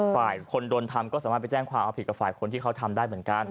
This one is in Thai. ฝ่ายคนโดนทำก็สามารถไปแจ้งความเอาผิดกับฝ่ายคนที่เขาทำได้เหมือนกัน